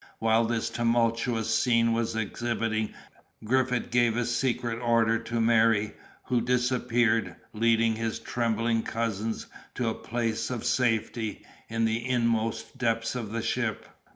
While this tumultuous scene was exhibiting, Griffith gave a secret order to Merry, who disappeared, leading his trembling cousins to a place of safety in the inmost depths of the ship.